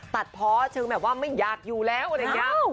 ตัดเพาะเชิงแบบว่าไม่อยากอยู่แล้วอะไรอย่างนี้